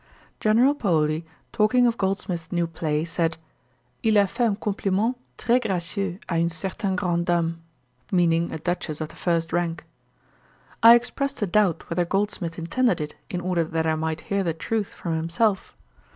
General Paoli, talking of Goldsmith's new play, said, 'Il a fait un compliment très gracieux Ã une certaine grande dame;' meaning a Duchess of the first rank. I expressed a doubt whether Goldsmith intended it, in order that I might hear the truth from himself.